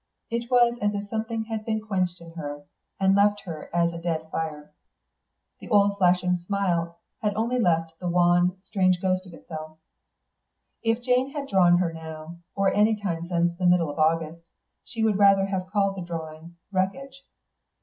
It was as if something had been quenched in her, and left her as a dead fire. The old flashing smile had left only the wan, strange ghost of itself. If Jane had drawn her now, or any time since the middle of August, she would rather have called the drawing "Wreckage."